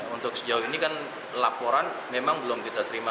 untuk sejauh ini kan laporan memang belum kita terima